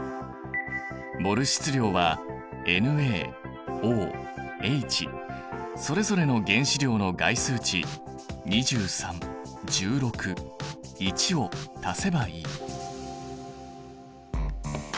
モル質量はＮａＯＨそれぞれの原子量の概数値２３１６１を足せばいい。